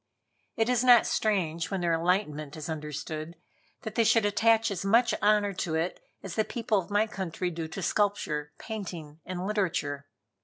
It is not strange, when their enlightenment is understood, that they should attach as much honor to it as the people of my country do to sculpture, painting and literature.